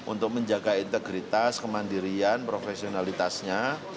untuk menjaga integritas kemandirian profesionalitasnya